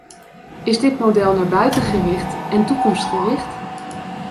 Is dit model naar buiten gericht en toekomstgericht?